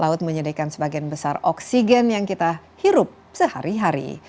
laut menyediakan sebagian besar oksigen yang kita hirup sehari hari